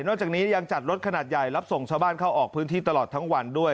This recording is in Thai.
จากนี้ยังจัดรถขนาดใหญ่รับส่งชาวบ้านเข้าออกพื้นที่ตลอดทั้งวันด้วย